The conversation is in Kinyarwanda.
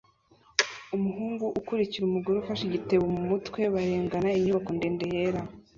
Umuhungu akurikira umugore ufashe igitebo mumutwe barengana inyubako ndende yera